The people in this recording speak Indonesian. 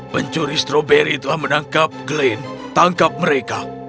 pencuri stroberi telah menangkap glenn tangkap mereka